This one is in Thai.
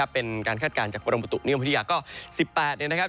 เป็นการคาดการณ์จากปรมบุตุนิวพฤษภาค๑๘นะครับ